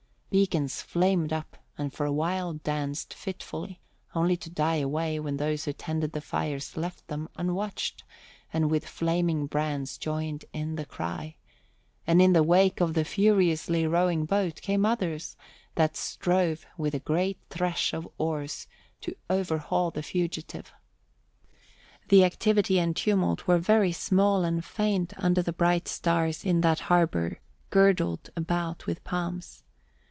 Beacons flamed up and for a while danced fitfully, only to die away when those who tended the fires left them unwatched and with flaming brands joined in the cry; and in the wake of the furiously rowing boat came others that strove with a great thresh of oars to overhaul the fugitive. The activity and tumult were very small and faint under the bright stars in that harbour girdled about with palms.